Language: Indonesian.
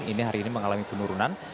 ini hari ini mengalami penurunan